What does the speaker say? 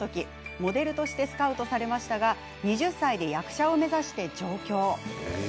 モデルとしてスカウトされましたが２０歳で役者を目指して上京。